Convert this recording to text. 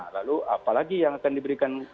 lalu apalagi yang akan diberikan